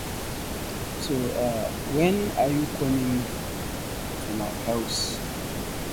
According to the format of the exam, a correct answer deserved a full credit.